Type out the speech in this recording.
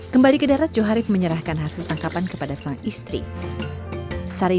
kembali ke darat joharif menyerahkan hasil tangkapan kepada sang istri